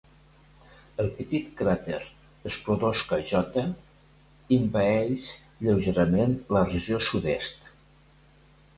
El petit cràter Sklodowska J invadeix lleugerament la regió sud-est.